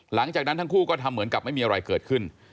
หลังจากนั้นทั้งคู่ก็ทำเหมือนกับไม่มีอะไรเกิดขึ้น